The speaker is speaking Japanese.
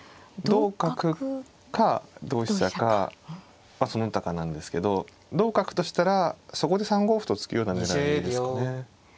同角か同飛車かまあその他かなんですけど同角としたらそこで３五歩と突くような狙いですかね。